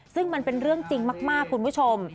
ซึ่งมันเป็นเรื่องจริงมากคุณผู้ชม